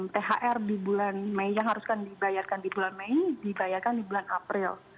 thr di bulan mei yang harus kan dibayarkan di bulan mei dibayarkan di bulan april